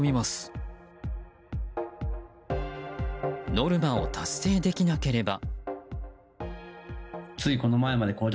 ノルマを達成できなければ。